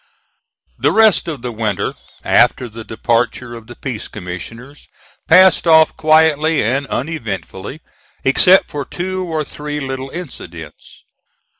The rest of the winter, after the departure of the peace commissioners, passed off quietly and uneventfully, except for two or three little incidents.